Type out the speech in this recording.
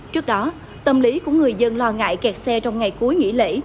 trước đó tâm lý của người dân lo ngại kẹt xe trong ngày cuối nghỉ lễ